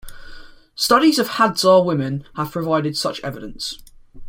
Studies of Hadza women have provided such evidence.